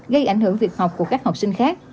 gây ảnh hưởng việc học của các học sinh khác